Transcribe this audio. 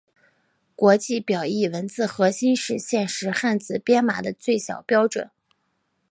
国际表意文字核心是现时汉字编码的最小标准。